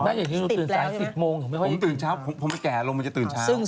ติดแล้วใช่ไหมคะผมไม่ค่อยกินเช้าผมไม่แก่ลงจะตื่นเช้า